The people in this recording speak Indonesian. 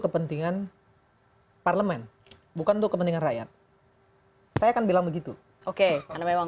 kepentingan parlemen bukan untuk kepentingan rakyat saya kan bilang begitu oke karena memang